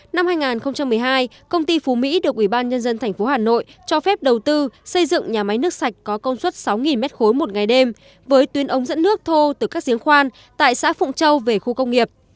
năm hai nghìn một mươi hai công ty phú mỹ được ủy ban nhân dân tp hà nội cho phép đầu tư xây dựng nhà máy nước sạch có công suất sáu m ba một ngày đêm với tuyến ống dẫn nước thô từ các giếng khoan tại xã phụng châu về khu công nghiệp